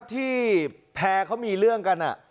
ที่แพร่เขามีเรื่องกัน